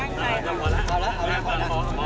เอาแล้วเอาแล้วเอาแล้ว